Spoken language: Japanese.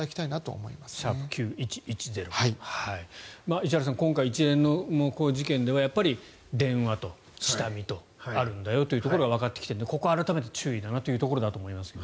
石原さん、今回一連の事件ではやっぱり、電話と下見とあるんだよというところがわかってきているので改めて注意というところですが。